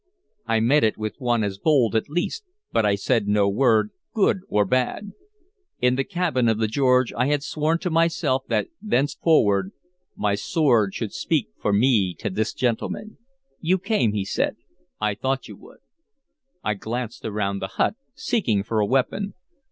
I met it with one as bold, at least, but I said no word, good or bad. In the cabin of the George I had sworn to myself that thenceforward my sword should speak for me to this gentleman. "You came," he said. "I thought you would." I glanced around the hut, seeking for a weapon.